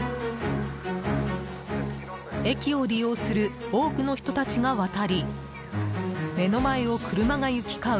駅を利用する多くの人たちが渡り目の前を車が行き交う